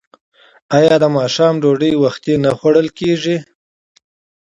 آیا د ماښام ډوډۍ وختي نه خوړل کیږي؟